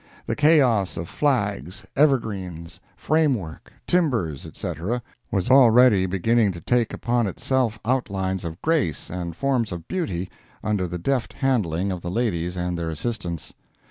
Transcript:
The chaos of flags, evergreens, frame work, timbers, etc., was already beginning to take upon itself outlines of grace and forms of beauty, under the deft handling of the ladies and their assistants.